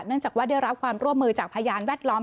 จากว่าได้รับความร่วมมือจากพยานแวดล้อม